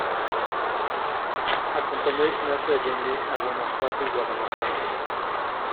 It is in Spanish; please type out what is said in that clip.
Acompañó a Ignacio Allende a Guanajuato y Guadalajara.